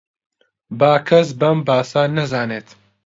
با کەس بەم باسە نەزانێت